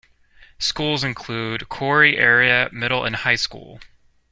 Schools include Corry Area Middle and High School.